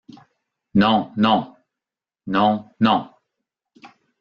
Non, non! — Non, non !